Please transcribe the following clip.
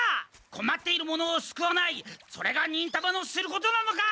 こまっている者をすくわないそれが忍たまのすることなのか！